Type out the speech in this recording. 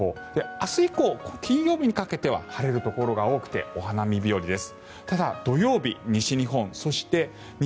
明日以降、金曜日にかけては晴れるところが多くてお花見日和です。